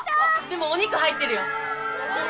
でもお肉入ってるよ。え？